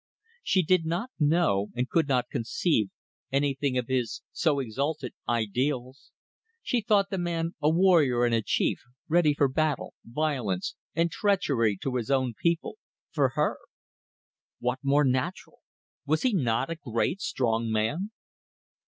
She did not know, and could not conceive, anything of his so exalted ideals. She thought the man a warrior and a chief, ready for battle, violence, and treachery to his own people for her. What more natural? Was he not a great, strong man?